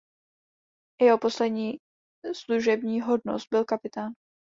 Jeho poslední služební hodnost byl kapitán.